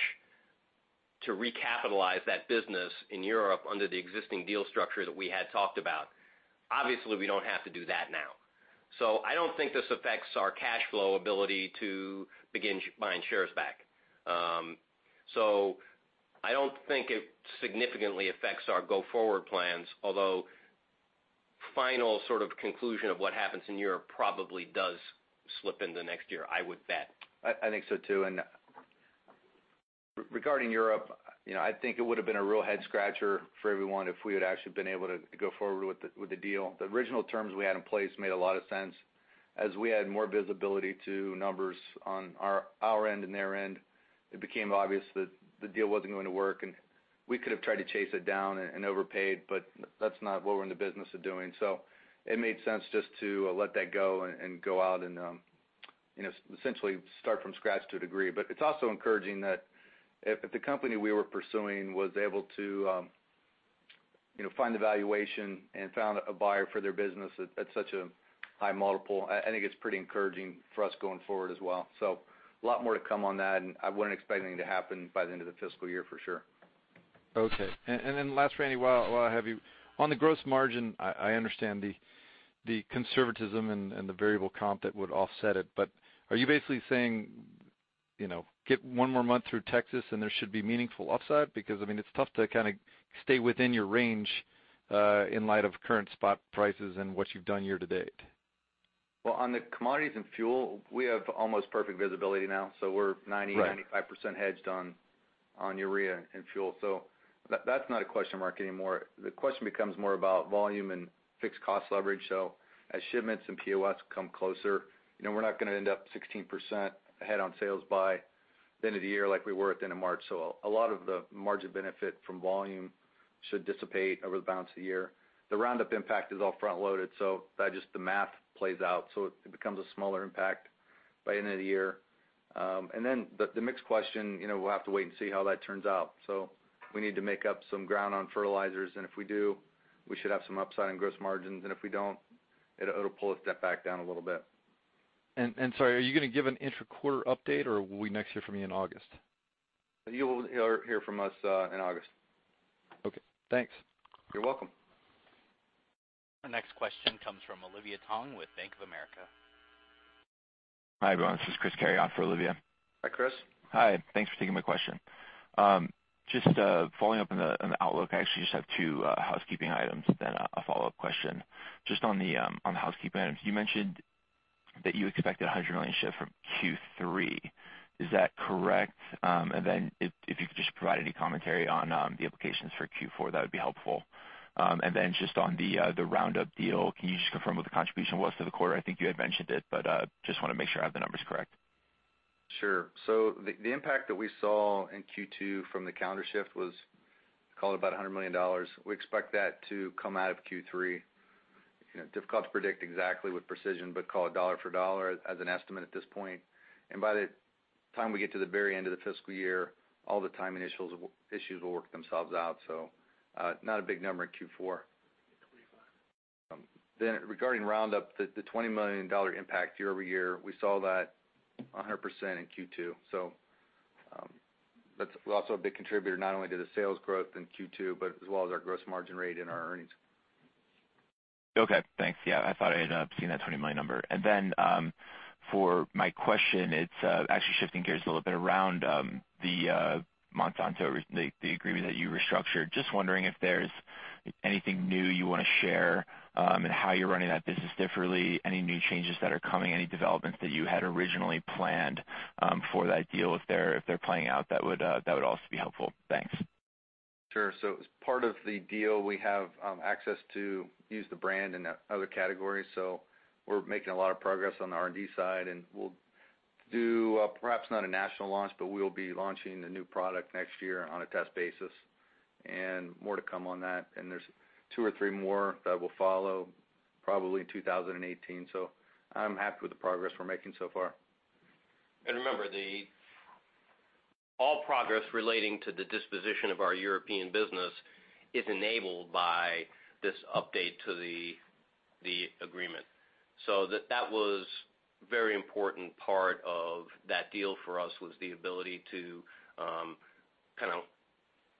to recapitalize that business in Europe under the existing deal structure that we had talked about. Obviously, we don't have to do that now. I don't think this affects our cash flow ability to begin buying shares back. I don't think it significantly affects our go-forward plans, although final sort of conclusion of what happens in Europe probably does slip into next year, I would bet. I think so, too. Regarding Europe, I think it would've been a real head-scratcher for everyone if we had actually been able to go forward with the deal. The original terms we had in place made a lot of sense. As we had more visibility to numbers on our end and their end, it became obvious that the deal wasn't going to work, and we could have tried to chase it down and overpaid, that's not what we're in the business of doing. It made sense just to let that go and go out and essentially start from scratch to a degree. It's also encouraging that if the company we were pursuing was able to find the valuation and found a buyer for their business at such a high multiple, I think it's pretty encouraging for us going forward as well. A lot more to come on that. I wouldn't expect anything to happen by the end of the fiscal year, for sure. Okay. Last, Randy, while I have you. On the gross margin, I understand the conservatism and the variable comp that would offset it, but are you basically saying get one more month through Texas, and there should be meaningful upside? I mean, it's tough to kind of stay within your range, in light of current spot prices and what you've done year-to-date. Well, on the commodities and fuel, we have almost perfect visibility now. We're 90%, 95% hedged on urea and fuel. That's not a question mark anymore. The question becomes more about volume and fixed cost leverage. As shipments and POS come closer, we're not going to end up 16% ahead on sales by the end of the year like we were at the end of March. A lot of the margin benefit from volume should dissipate over the balance of the year. The Roundup impact is all front-loaded, so just the math plays out, so it becomes a smaller impact by the end of the year. The mix question, we'll have to wait and see how that turns out. We need to make up some ground on fertilizers, and if we do, we should have some upside in gross margins. If we don't, it'll pull a step back down a little bit. Sorry, are you going to give an intra-quarter update, or will we next hear from you in August? You will hear from us in August. Okay, thanks. You're welcome. Our next question comes from Olivia Tong with Bank of America. Hi, everyone, this is Chris Carey on for Olivia. Hi, Chris. Hi. Thanks for taking my question. Just following up on the outlook, I actually just have two housekeeping items, then a follow-up question. Just on the housekeeping items. You mentioned that you expected $100 million shift from Q3. Is that correct? If you could just provide any commentary on the implications for Q4, that would be helpful. Just on the Roundup deal, can you just confirm what the contribution was to the quarter? I think you had mentioned it, but just want to make sure I have the numbers correct. Sure. The impact that we saw in Q2 from the calendar shift was call it about $100 million. We expect that to come out of Q3. Difficult to predict exactly with precision, but call it dollar for dollar as an estimate at this point. By the time we get to the very end of the fiscal year, all the timing issues will work themselves out, not a big number in Q4. Regarding Roundup, the $20 million impact year-over-year, we saw that 100% in Q2. That's also a big contributor, not only to the sales growth in Q2, but as well as our gross margin rate and our earnings. Okay, thanks. Yeah, I thought I had seen that $20 million number. For my question, it's actually shifting gears a little bit around the Monsanto, the agreement that you restructured. Just wondering if there's anything new you want to share, how you're running that business differently, any new changes that are coming, any developments that you had originally planned for that deal, if they're playing out, that would also be helpful. Thanks. Sure. As part of the deal, we have access to use the brand in other categories. We're making a lot of progress on the R&D side, we'll do perhaps not a national launch, but we'll be launching a new product next year on a test basis, more to come on that. There's two or three more that will follow, probably in 2018. I'm happy with the progress we're making so far. Remember, all progress relating to the disposition of our European business is enabled by this update to the agreement. That was very important part of that deal for us, was the ability to kind of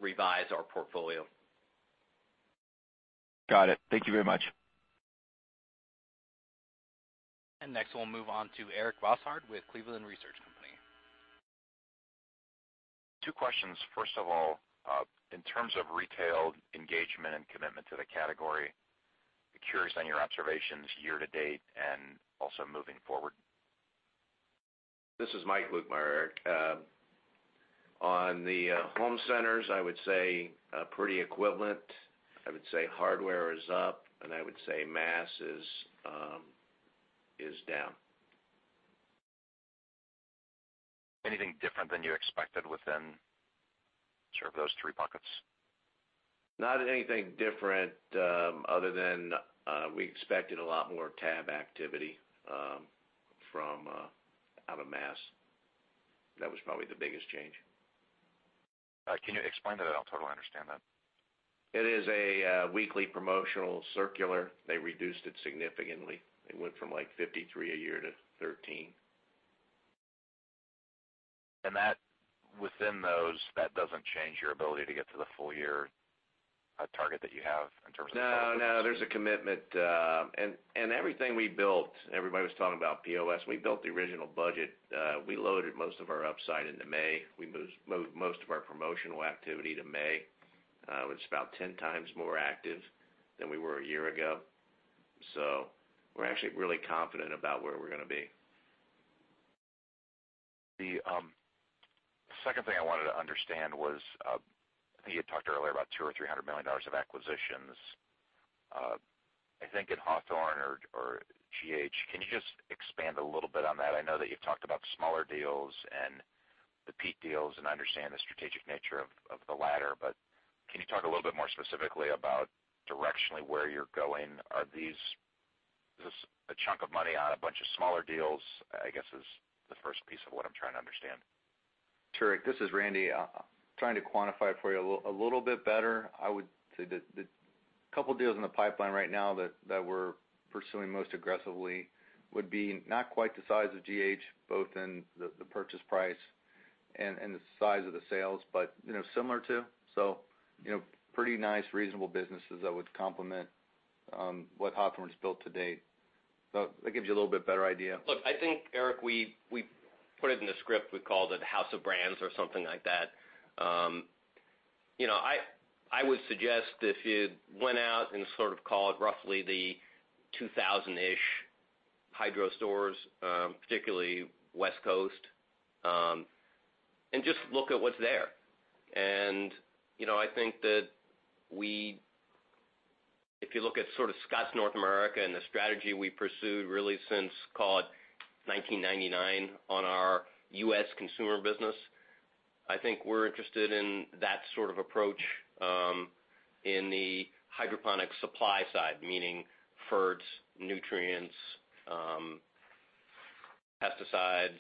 revise our portfolio. Got it. Thank you very much. Next, we'll move on to Eric Bosshard with Cleveland Research Company. Two questions. First of all, in terms of retail engagement and commitment to the category, curious on your observations year-to-date and also moving forward. This is Mike Lukemire, Eric. On the home centers, I would say pretty equivalent. I would say hardware is up, and I would say mass is down. Anything different than you expected within sort of those three buckets? Not anything different other than we expected a lot more tab activity from out of mass. That was probably the biggest change. Can you explain that? I don't totally understand that. It is a weekly promotional circular. They reduced it significantly. It went from 53 a year to 13. Within those, that doesn't change your ability to get to the full year target that you have in terms of- No, there's a commitment. Everything we built, everybody was talking about POS. We built the original budget, we loaded most of our upside into May. We moved most of our promotional activity to May. It's about 10 times more active than we were a year ago. We're actually really confident about where we're going to be. The second thing I wanted to understand was, I think you had talked earlier about $200 million or $300 million of acquisitions. I think in Hawthorne or GH. Can you just expand a little bit on that? I know that you've talked about smaller deals and the peat deals, and I understand the strategic nature of the latter, can you talk a little bit more specifically about directionally where you're going? Is this a chunk of money on a bunch of smaller deals, I guess, is the first piece of what I'm trying to understand. Sure. This is Randy. Trying to quantify it for you a little bit better. I would say that the couple deals in the pipeline right now that we're pursuing most aggressively would be not quite the size of GH, both in the purchase price and the size of the sales, but similar to. Pretty nice, reasonable businesses that would complement what Hawthorne's built to date. That gives you a little bit better idea. Look, I think, Eric, we put it in the script, we called it House of Brands or something like that. I would suggest if you went out and sort of called roughly the 2,000-ish hydro stores, particularly West Coast, and just look at what's there. I think that if you look at sort of Scotts North America and the strategy we pursued really since, call it 1999, on our US consumer business, I think we're interested in that sort of approach in the hydroponic supply side, meaning ferts, nutrients, pesticides,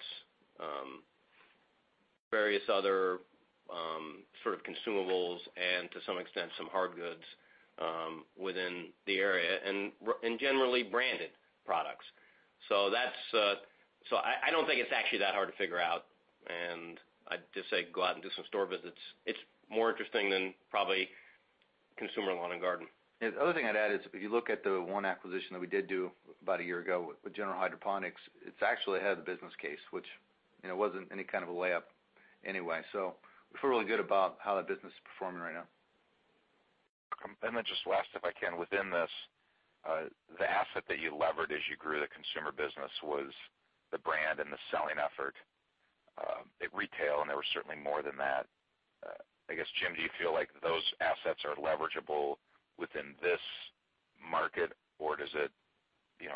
various other sort of consumables and to some extent, some hard goods within the area, and generally branded products. I don't think it's actually that hard to figure out. I'd just say go out and do some store visits. It's more interesting than probably consumer lawn and garden. The other thing I'd add is if you look at the one acquisition that we did do about a year ago with General Hydroponics, it's actually had the business case, which wasn't any kind of a layup anyway. We feel really good about how that business is performing right now. Just last, if I can, within this, the asset that you levered as you grew the consumer business was the brand and the selling effort at retail, and there was certainly more than that. I guess, Jim, do you feel like those assets are leverageable within this market? Or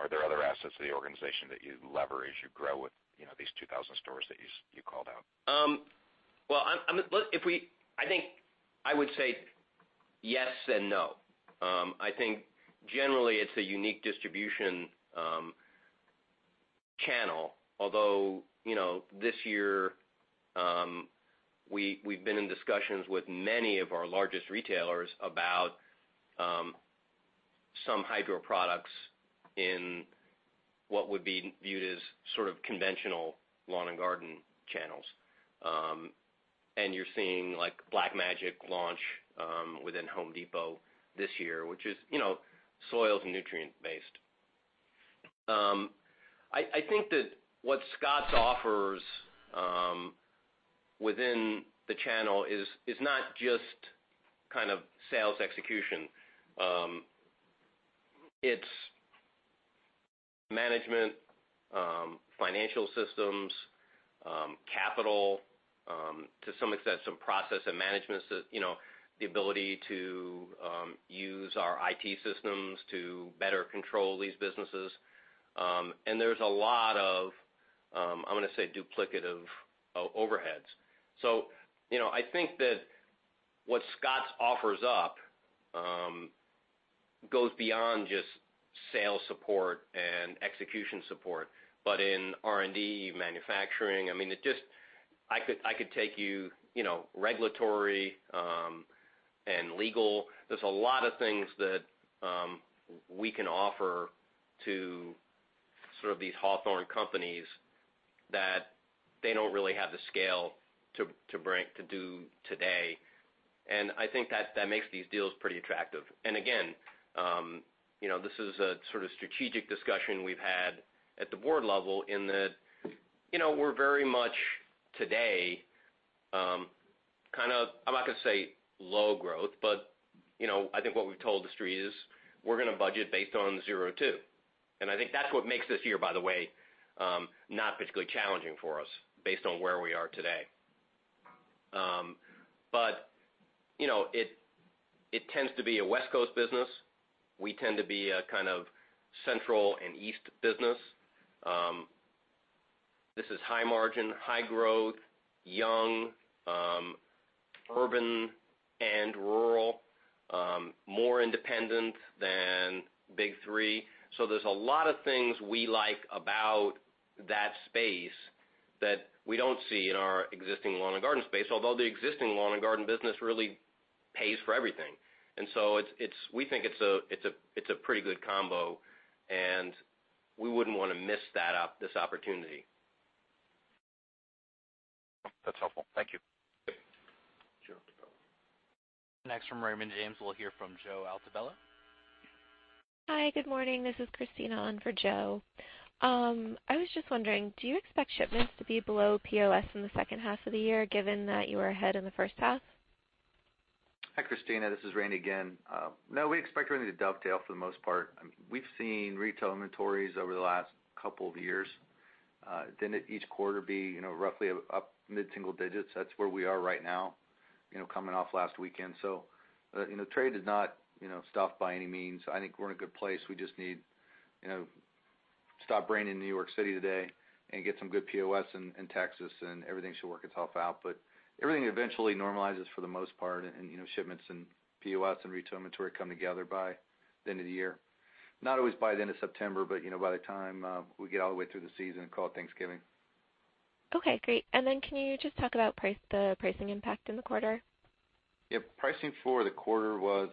are there other assets of the organization that you lever as you grow with these 2,000 stores that you called out? I would say yes and no. I think generally it's a unique distribution channel. Although, this year, we've been in discussions with many of our largest retailers about some hydro products in what would be viewed as sort of conventional lawn and garden channels. You're seeing Black Magic launch within Home Depot this year, which is soils and nutrient based. I think that what Scotts offers within the channel is not just kind of sales execution. It's Management, financial systems, capital, to some extent, some process and management, the ability to use our IT systems to better control these businesses. There's a lot of, I'm going to say duplicative overheads. I think that what Scotts offers up goes beyond just sales support and execution support. In R&D, manufacturing, I could take you, regulatory and legal. There's a lot of things that we can offer to sort of these Hawthorne companies that they don't really have the scale to do today. I think that makes these deals pretty attractive. Again, this is a sort of strategic discussion we've had at the board level in that we're very much today, kind of, I'm not going to say low growth, but I think what we've told the Street is we're going to budget based on 02. I think that's what makes this year, by the way, not particularly challenging for us based on where we are today. It tends to be a West Coast business. We tend to be a kind of central and east business. This is high margin, high growth, young, urban and rural, more independent than big three. There's a lot of things we like about that space that we don't see in our existing lawn and garden space, although the existing lawn and garden business really pays for everything. We think it's a pretty good combo, and we wouldn't want to miss this opportunity. That's helpful. Thank you. Sure. Next from Raymond James, we'll hear from Joseph Altobello. Hi, good morning. This is Christina on for Joe. I was just wondering, do you expect shipments to be below POS in the second half of the year, given that you were ahead in the first half? Hi, Christina, this is Randy again. No, we expect everything to dovetail for the most part. We've seen retail inventories over the last couple of years, then at each quarter be roughly up mid-single digits. That's where we are right now, coming off last weekend. The trade did not stop by any means. I think we're in a good place. We just need it to stop raining in New York City today and get some good POS in Texas, everything should work itself out. Everything eventually normalizes for the most part, and shipments and POS and retail inventory come together by the end of the year. Not always by the end of September, but by the time we get all the way through the season called Thanksgiving. Okay, great. Then can you just talk about the pricing impact in the quarter? Yeah. Pricing for the quarter was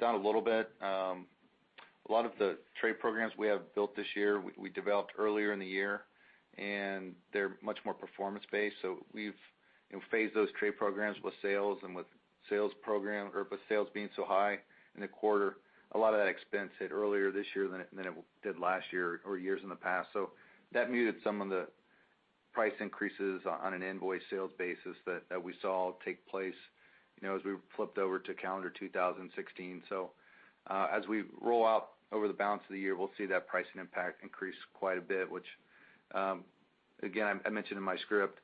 down a little bit. A lot of the trade programs we have built this year, we developed earlier in the year, and they're much more performance-based. We've phased those trade programs with sales, with sales being so high in the quarter, a lot of that expense hit earlier this year than it did last year or years in the past. That muted some of the price increases on an invoice sales basis that we saw take place as we flipped over to calendar 2016. As we roll out over the balance of the year, we'll see that pricing impact increase quite a bit, which again, I mentioned in my script,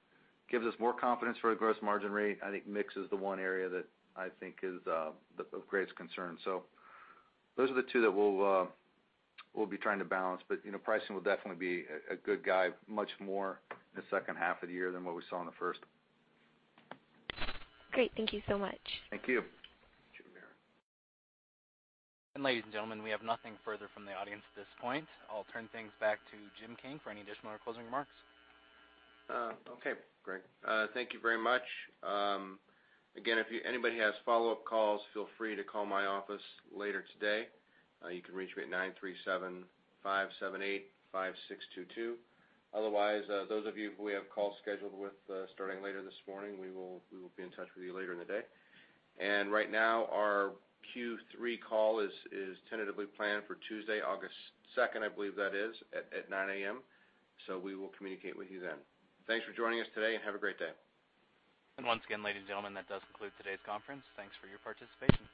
gives us more confidence for the gross margin rate. I think mix is the one area that I think is of greatest concern. Those are the two that we'll be trying to balance. Pricing will definitely be a good guide much more in the second half of the year than what we saw in the first. Great. Thank you so much. Thank you. Ladies and gentlemen, we have nothing further from the audience at this point. I'll turn things back to Jim King for any additional or closing remarks. Okay, Greg. Thank you very much. Again, if anybody has follow-up calls, feel free to call my office later today. You can reach me at 937-578-5622. Otherwise, those of you who we have calls scheduled with starting later this morning, we will be in touch with you later in the day. Right now, our Q3 call is tentatively planned for Tuesday, August 2nd, I believe that is, at 9:00 A.M. We will communicate with you then. Thanks for joining us today, and have a great day. Once again, ladies and gentlemen, that does conclude today's conference. Thanks for your participation.